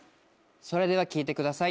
それでは聴いてください。